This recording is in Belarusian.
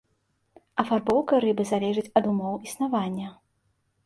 Афарбоўка рыбы залежыць ад умоў існавання.